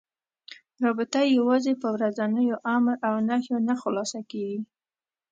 رابطه یوازې په ورځنيو امر و نهيو نه خلاصه کېږي.